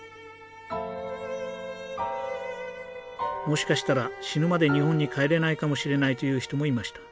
もしかしたら死ぬまで日本に帰れないかもしれないと言う人もいました。